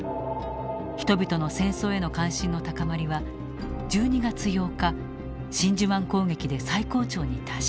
人々の戦争への関心の高まりは１２月８日真珠湾攻撃で最高潮に達した。